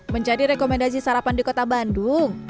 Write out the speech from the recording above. menjadi rekomendasi sarapan di kota bandung